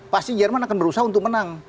pasti jerman akan berusaha untuk menang